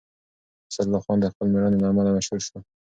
اسدالله خان د خپل مېړانې له امله مشهور شو.